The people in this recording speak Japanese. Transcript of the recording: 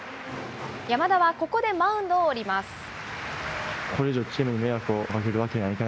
山田はここでマウンドを降ります。